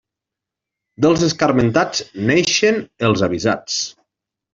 Dels escarmentats naixen els avisats.